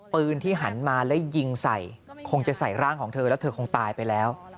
ปืนที่หันมาแล้วยิงใส่คงจะใส่ร่างของเธอแล้วเธอคงตายไปแล้ว